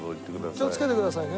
気をつけてくださいね。